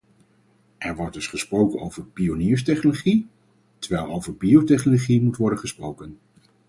Er wordt dus gesproken over pionierstechnologie, terwijl over biotechnologie moet worden gesproken.